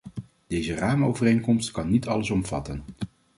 Deze raamovereenkomst kan niet alles omvatten.